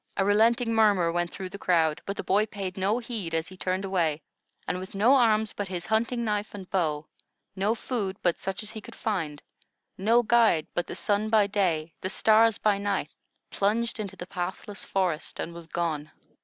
A relenting murmur went through the crowd, but the boy paid no heed, as he turned away, and with no arms but his hunting knife and bow, no food but such as he could find, no guide but the sun by day, the stars by night, plunged into the pathless forest and was gone.